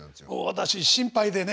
私心配でね。